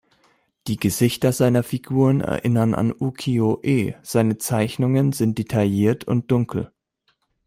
Die Gesichter seiner Figuren erinnern an Ukiyo-e; seine Zeichnungen sind detailliert und dunkel.